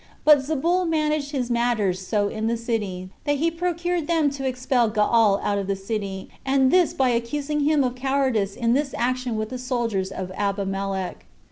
But Zebul managed his matters so in the city, that he procured them to expel Gaal out of the city, and this by accusing him of cowardice in this action with the soldiers of Ahimelech.